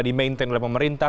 dimaintain oleh pemerintah